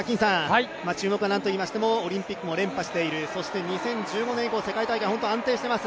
注目はなんといいましてもオリンピックも連覇しているそして２０１５年以降、世界大会安定しています